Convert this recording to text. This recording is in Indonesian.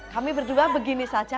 kami berdua begini saja